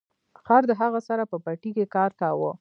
خر د هغه سره په پټي کې کار کاوه.